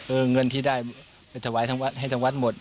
เงินที่ได้ไปถวายทั้งวัดให้ทางวัดหมด